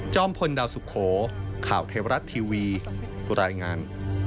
พลดาวสุโขข่าวเทวรัฐทีวีรายงาน